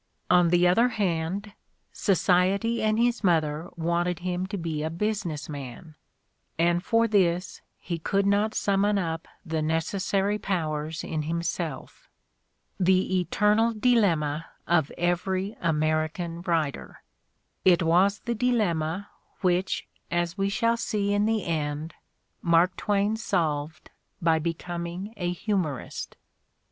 On the other hand, society and his mother wanted him to be a business man, and for this he could not summon up the necessary powers in himself. The eternal dilemma of every American writer ! It was the dilemma which, as we shall see in the end, Mark Twain solved by becoming a humorist.